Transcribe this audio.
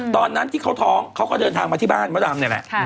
ตอนนั้นที่เขาท้องเขาก็เดินทางมาที่บ้านมดดำนี่แหละ